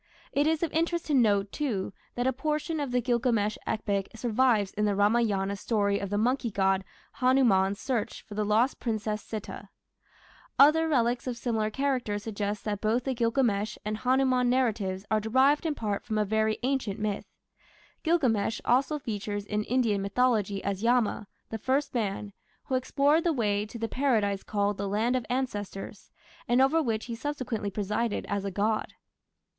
It is of interest to note, too, that a portion of the Gilgamesh epic survives in the Ramayana story of the monkey god Hanuman's search for the lost princess Sita; other relics of similar character suggest that both the Gilgamesh and Hanuman narratives are derived in part from a very ancient myth. Gilgamesh also figures in Indian mythology as Yama, the first man, who explored the way to the Paradise called "The Land of Ancestors", and over which he subsequently presided as a god.